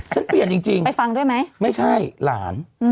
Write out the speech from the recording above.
ฉันเปลี่ยนจริงไปฟังด้วยไหมไม่ใช่หลาน